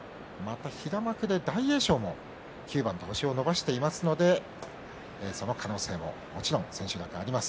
平幕で大栄翔も９番と星を伸ばしていますのでその可能性ももちろん千秋楽、あります。